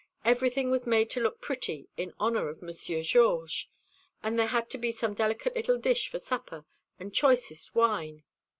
Everything was made to look pretty in honour of Monsieur Georges and there had to be some delicate little dish for supper, and choicest wine.